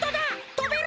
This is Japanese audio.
とべる！